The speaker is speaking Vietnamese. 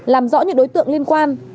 làm rõ những đối tượng liên quan